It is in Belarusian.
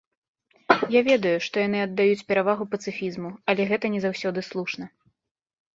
Я ведаю, што яны аддаюць перавагу пацыфізму, але гэта не заўсёды слушна.